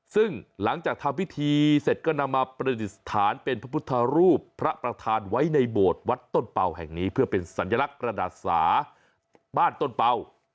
ซึ่งหลังจากทำพิธีเสร็จก็นำมาประดิษฐานเป็นพระพุทธรูปพระประธานไว้ในโบสถ์วัดต้นเป่าแห่งนี้เพื่อเป็นสัญลักษณ์กระดาษสาบ้านต้นเป่า